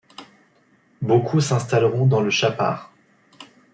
Beaucoup s'installeront dans le Chapare.